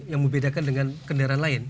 yang membedakan dengan kendaraan lain